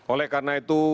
oleh karena itu